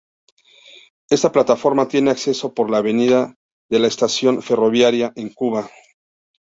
Esta plataforma tiene acceso por la avenida de la Estación Ferroviaria, en Cuba.